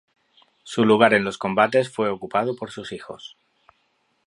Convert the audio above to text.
Su lugar en los combates fue ocupado por sus hijos.